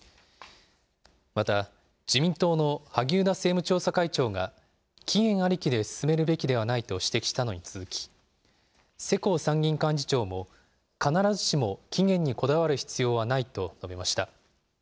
また、自民党の萩生田政務調査会長が、期限ありきで進めるべきではないと指摘したのに続き、世耕参議院幹事長も、必ずしも期限にこだわる必要はないと述べました。